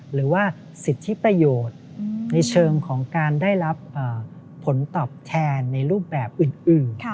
หรือว่าสิทธิประโยชน์ในเชิงของการได้รับผลตอบแทนในรูปแบบอื่น